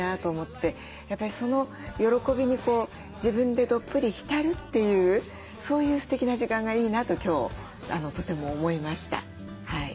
やっぱりその喜びに自分でどっぷり浸るっていうそういうすてきな時間がいいなと今日とても思いました。